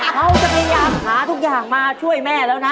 พยายามหาทุกอย่างมาช่วยแม่แล้วนะ